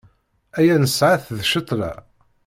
Aya nesɛa-t d ccetla.